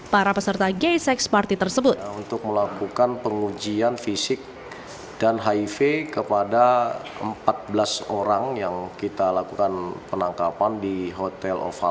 para peserta gay sex party tersebut